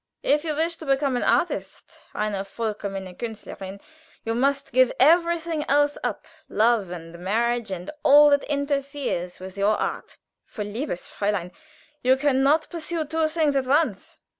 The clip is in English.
If you choose to become an artist, eine vollkommene Künstlerin, you must give everything else up love and marriage and all that interferes with your art, for, liebes Fräulein, you can not pursue two things at once."